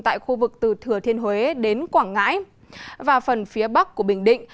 tại khu vực từ thừa thiên huế đến quảng ngãi và phần phía bắc của bình định